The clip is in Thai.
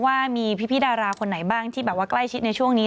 ว่ามีพี่ดาราคนไหนบ้างที่แบบว่าใกล้ชิดในช่วงนี้